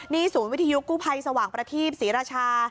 นี่ศูนย์วิทยุกู้ภัยสว่างประทีปศรีราชา